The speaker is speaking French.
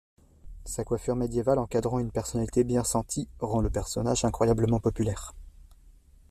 Sa coiffure médiévale encadrant une personnalité bien sentie rend le personnage incroyablement populaire.